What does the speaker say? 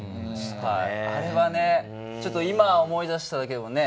あれはね、ちょっと今思い出しただけでもね。